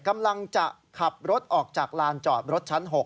กำลังจะขับรถออกจากลานจอดรถชั้น๖